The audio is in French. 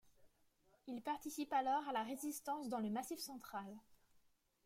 Il participe alors à la Résistance dans le Massif central.